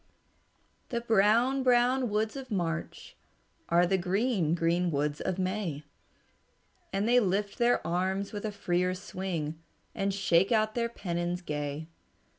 "The brown, brown woods of March Are the green, green woods of May, And they lift their arms with a freer swing And shake out their pennons gay.